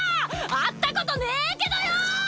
会ったことねぇけどよ！